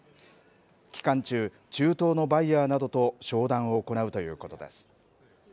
期間中、中東のバイヤーなどと商談を行うということです。